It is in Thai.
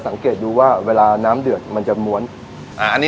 สังเกตดูว่าเวลาน้ำเดือนมันจะมว้วนอ่าอันนี้